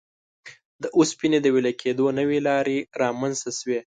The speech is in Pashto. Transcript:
د اوسپنې د وېلې کېدو نوې لارې رامنځته شوې.